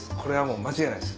間違いないです。